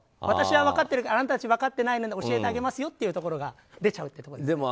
私は分かってるけどあなたたち分かってないので教えてあげますよというところが出ちゃっていますね。